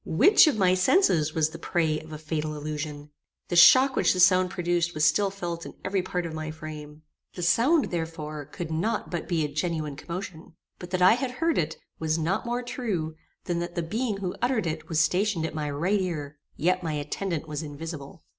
Which of my senses was the prey of a fatal illusion? The shock which the sound produced was still felt in every part of my frame. The sound, therefore, could not but be a genuine commotion. But that I had heard it, was not more true than that the being who uttered it was stationed at my right ear; yet my attendant was invisible.